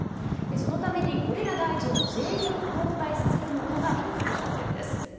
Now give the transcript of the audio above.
そのために、これら大臣を全員交代させるのかが１つの焦点です。